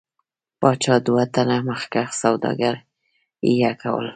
پاچا دوه تنه مخکښ سوداګر حیه کول.